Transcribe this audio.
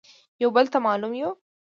يو بل ته مالوم يو.